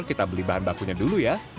kita beli bahan bakunya dulu ya